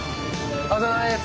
お疲れさまです。